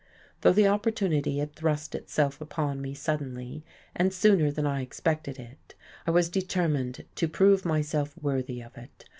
Though the opportunity had thrust itself upon me suddenly, and sooner than I expected it, I was determined to prove myself worthy of it.